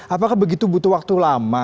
apakah begitu butuh waktu lama